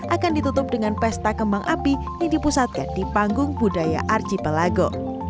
akan ditutup dengan pesta kembang api yang dipusatkan di panggung budaya arji balago